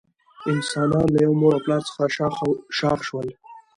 انسانان له یوه مور او پلار څخه شاخ شاخ شول.